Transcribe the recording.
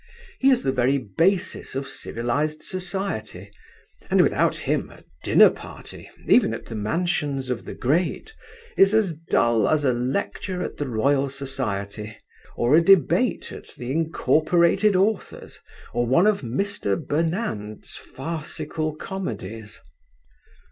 He is the very basis of civilised society, and without him a dinner party, even at the mansions of the great, is as dull as a lecture at the Royal Society, or a debate at the Incorporated Authors, or one of Mr. Burnand's farcical comedies.